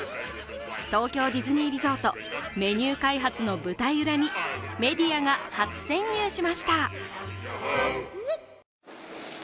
東京ディズニーリゾート、メニュー開発の舞台裏にメディアが初潜入しました。